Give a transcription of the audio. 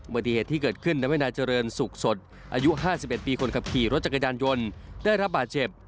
ปฏิเหตุที่เกิดขึ้นทำให้นายเจริญสุขสดอายุ๕๑ปีคนขับขี่รถจักรยานยนต์ได้รับบาดเจ็บ